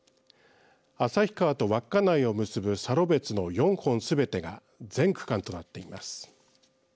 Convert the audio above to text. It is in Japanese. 旭川と稚内を結ぶサロベツの４本すべてが全区間となっています。